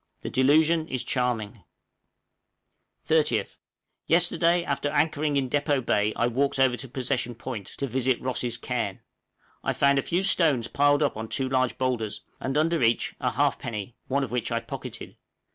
The delusion is charming. {ROSS' CAIRN.} 30th. Yesterday after anchoring in Depôt Bay I walked over to Possession Point, to visit Ross' cairn. I found a few stones piled up on two large boulders, and under each a halfpenny, one of which I pocketed.